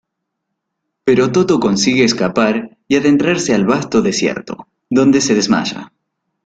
Pero Toto consigue escapar y adentrarse al vasto desierto, donde se desmaya.